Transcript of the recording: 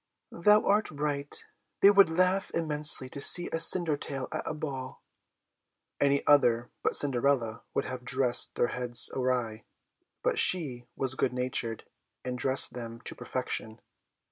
"Thou art right, they would laugh immensely to see a Cindertail at a ball!" Any other but Cinderella would have dressed their heads awry, but she was good natured, and dressed them to perfection.